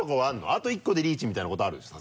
あと１個でリーチみたいなことあるでしょ？